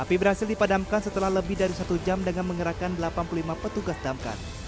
api berhasil dipadamkan setelah lebih dari satu jam dengan mengerahkan delapan puluh lima petugas damkar